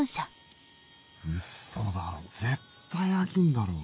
ウソだろ絶対飽きんだろ。